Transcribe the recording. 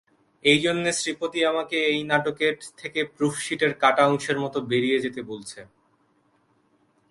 এইজন্যে শ্রীপতি আমাকে এই নাটকের থেকে প্রুফশিটের কাটা অংশের মতো বেরিয়ে যেতে বলছে।